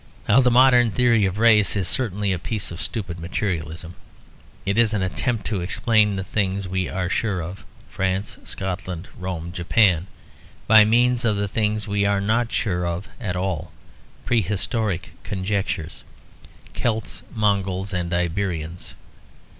Now the modern theory of race is certainly a piece of stupid materialism; it is an attempt to explain the things we are sure of, France, Scotland, Rome, Japan, by means of the things we are not sure of at all, prehistoric conjectures, Celts, Mongols, and Iberians.